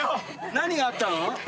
何があったの？